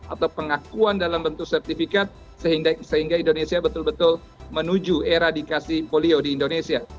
atau pengakuan dalam bentuk sertifikat sehingga indonesia betul betul menuju era dikasih polio di indonesia